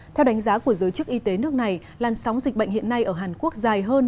theo đánh giá của giới chức y tế nước này làn sóng dịch bệnh hiện nay ở hàn quốc dài hơn